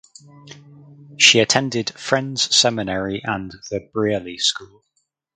She attended Friends Seminary and the Brearley School.